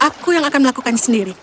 aku yang akan melakukannya sendiri